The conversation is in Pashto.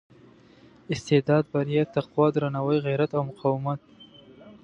استعداد بریا تقوا درناوي غیرت او مقاومت.